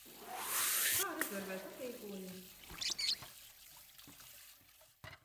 Kā rezervēt aprīkojumu?